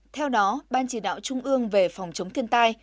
theo đó ban chỉ đạo trung ương về phòng chống thiên tai